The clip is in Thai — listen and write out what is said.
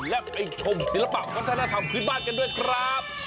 และไปชมศิลปะวัฒนธรรมพื้นบ้านกันด้วยครับ